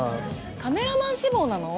カメラマン志望なの？